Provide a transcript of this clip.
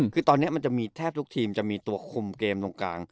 คือตอนนี้มันจะมีแทบทุกทีมจะมีตัวคุมเกมตรงกลาง